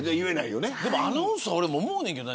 アナウンス俺も思うねんけどな。